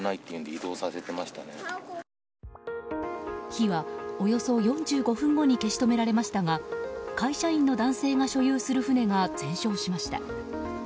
火はおよそ４５分後に消し止められましたが会社員の男性が所有する船が全焼しました。